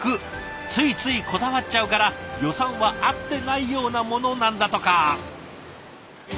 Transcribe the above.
ついついこだわっちゃうから予算はあってないようなものなんだとか。